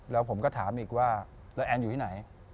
แล้วผมก็ถามอีกว่าแล้วแอนอยู่ที่ไหน